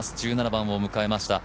１７番を迎えました。